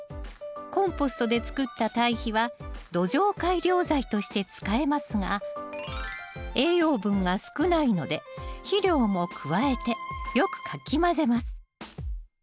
コンポストでつくった堆肥は土壌改良材として使えますが栄養分が少ないので肥料も加えてよくかき混ぜます。